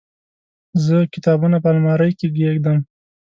زه کتابونه په المارۍ کې کيږدم.